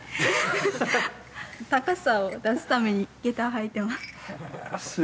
高さを出すために下駄を履いてます。